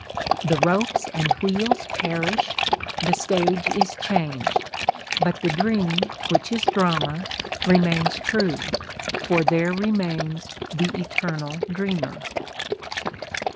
The ropes and wheels perish, the stage is changed; but the dream which is drama remains true, for there remains the eternal Dreamer.